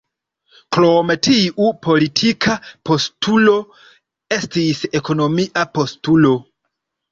Krom tiu politika postulo, estis ekonomia postulo.